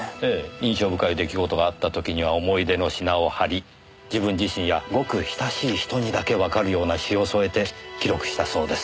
印象深い出来事があった時には思い出の品を貼り自分自身やごく親しい人にだけわかるような詩を添えて記録したそうです。